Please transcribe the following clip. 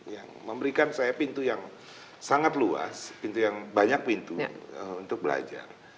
yang memberikan saya pintu yang sangat luas pintu yang banyak pintu untuk belajar